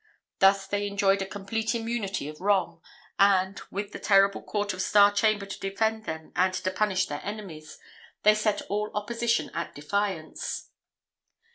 Thus they enjoyed a complete immunity of wrong; and, with the terrible court of Star Chamber to defend them and to punish their enemies, they set all opposition at defiance.